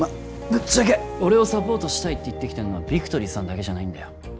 ぶっちゃけ俺をサポートしたいって言ってきてんのはビクトリーさんだけじゃないんだよ